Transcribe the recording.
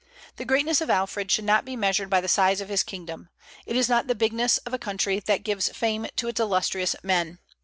The greatness of Alfred should not be measured by the size of his kingdom. It is not the bigness of a country that gives fame to its illustrious men.